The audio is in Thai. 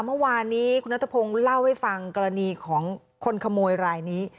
เมื่อวานนี้คุณนัทพงศ์เล่าให้ฟังกรณีของคนขโมยรายนี้